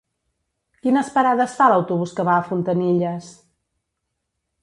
Quines parades fa l'autobús que va a Fontanilles?